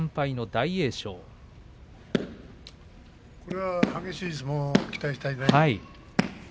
これは激しい相撲を期待したいね。